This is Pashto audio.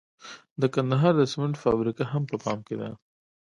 د کندهار د سمنټو فابریکه هم په پام کې ده.